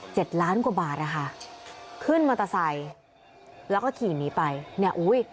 ล้านกว่าบาทนะคะขึ้นมอเตอร์ไซค์แล้วก็ขี่หนีไปเนี่ยอุ้ย